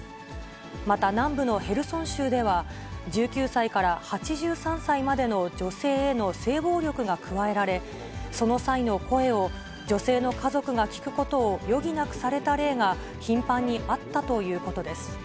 また南部のヘルソン州では、１９歳から８３歳までの女性への性暴力が加えられ、その際の声を、女性の家族が聞くことを余儀なくされた例が頻繁にあったということです。